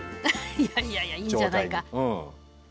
いやいやいやいいんじゃないか。